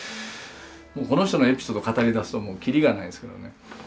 この人のエピソード語りだすとキリがないですけどね。